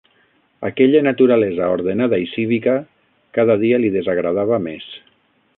Aquella naturalesa ordenada i cívica cada dia li desagradava més